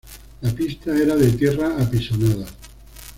La pista era de tierra apisonada.